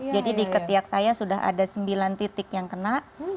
jadi di ketiak saya sudah ada sembilan titik yang kena